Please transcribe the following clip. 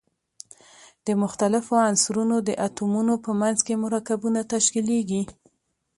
د مختلفو عنصرونو د اتومونو په منځ کې مرکبونه تشکیلیږي.